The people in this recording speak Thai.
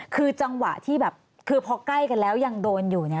เดี๋ยวซ้ายนะ